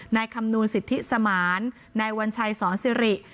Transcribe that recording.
นายคำนูลสิทธิสมารนายวันชัยศรสิริ